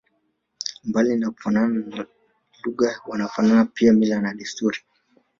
Mbali ya kufanana lugha wanafanana pia mila na desturi